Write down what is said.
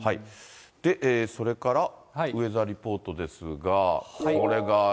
それからウェザーリポートですが。